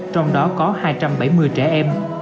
trong đó có hai trăm bảy mươi trẻ em